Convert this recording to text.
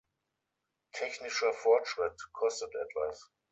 Technischer Fortschritt kostet etwas.